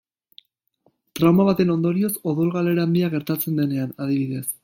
Trauma baten ondorioz odol-galera handia gertatzen denean, adibidez.